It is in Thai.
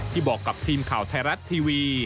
ที่บอกกับทีมข่าวไทยรัตน์ทีวี